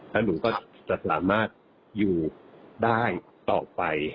แล้วหนูก็จะสามารถอยู่ได้ต่อไป